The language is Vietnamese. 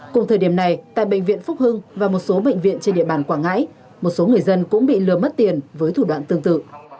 cùng thời điểm này tại bệnh viện phúc hưng và một số bệnh viện trên địa bàn quảng ngãi một số người dân cũng bị lừa mất tiền với thủ đoạn tương tự